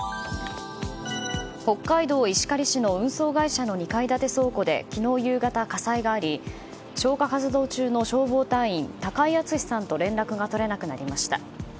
北海道石狩市の運送会社の２階建て倉庫で昨日夕方、火災があり消火活動中の消防隊員高井篤さんと連絡が取れなくなりました。